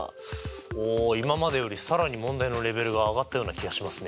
おお今までより更に問題のレベルが上がったような気がしますね。